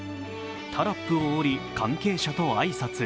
タラップを降り、関係者と挨拶。